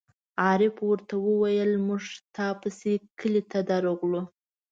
عارف ور ته وویل: مونږ تا پسې کلي ته درغلو.